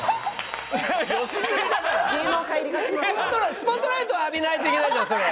スポットライト浴びないといけないじゃんそれ。